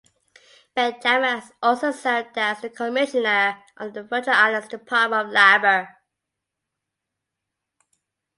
Benjamin has also served as the commissioner of the Virgin Islands Department of Labor.